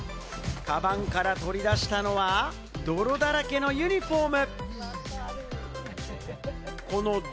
カバンから取り出したのは泥だらけのユニホーム。